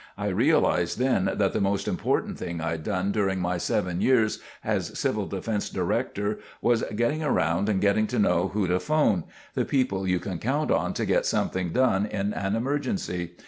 I realized then that the most important thing I'd done during my seven years as CD director was getting around and getting to know who to phone—the people you can count on to get something done in an emergency.